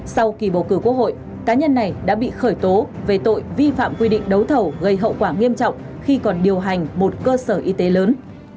sau kỳ bầu cử quốc hội cá nhân này đã bị khởi tố về tội vi phạm quy định đấu thầu gây hậu quả nghiêm trọng khi còn điều hành một cơ sở y tế lớn